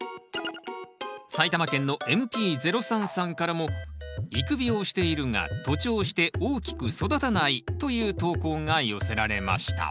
埼玉県のＭｐ−０３さんからも「育苗しているが徒長して大きく育たない」という投稿が寄せられました